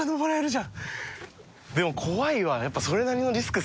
でも怖いわ。